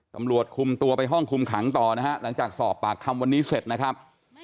ตำรวจคุมตัวไปห้องคุมขังต่อนะฮะหลังจากสอบปากคำวันนี้เสร็จนะครับ